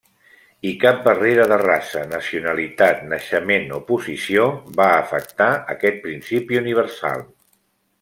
I cap barrera de raça, nacionalitat, naixement o posició va afectar aquest principi universal.